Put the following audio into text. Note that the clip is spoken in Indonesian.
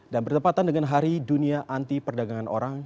dan bertepatan dengan hari dunia anti perdagangan orang